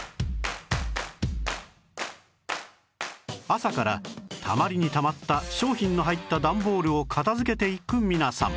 朝からたまりにたまった商品の入った段ボールを片付けていく皆さん